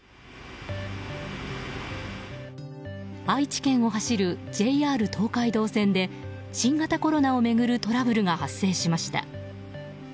愛知県を走るＪＲ東海道線で新型コロナを巡るトラブルが発生しました。